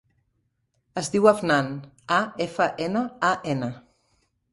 Es diu Afnan: a, efa, ena, a, ena.